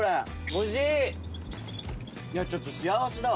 いやちょっと幸せだわ。